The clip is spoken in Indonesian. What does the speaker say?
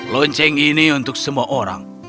lonceng ini untuk semua orang